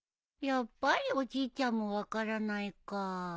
やっぱりおじいちゃんも分からないか。